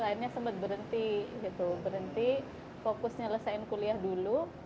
akhirnya sempat berhenti gitu berhenti fokus nyelesain kuliah dulu